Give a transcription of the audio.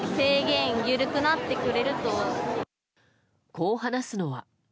こう話すのは。